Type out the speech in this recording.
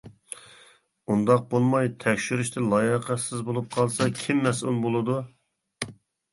ئۇنداق بولماي تەكشۈرۈشتە لاياقەتسىز بولۇپ قالسا كىم مەسئۇل بولىدۇ؟ !